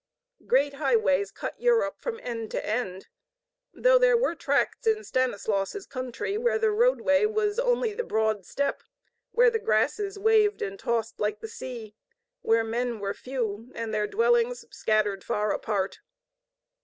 Great highways cut Europe from end to end; though there were tracts in Stanislaus' country where the roadway was only the broad steppe, where the grasses waved and tossed like the sea, where men were few and their dwellings scattered far apart.